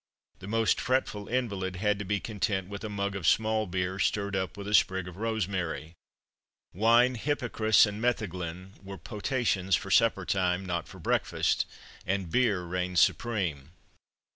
The most fretful invalid had to be content with a mug of small beer, stirred up with a sprig of rosemary. Wine, hippocras, and metheglin were potations for supper time, not for breakfast, and beer reigned supreme.